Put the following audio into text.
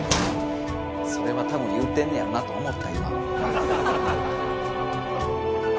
それはたぶん言うてんねやろなと思った今。